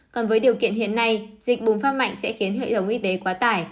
còn với điều kiện hiện nay dịch bùng phát mạnh sẽ khiến hệ thống y tế quá tải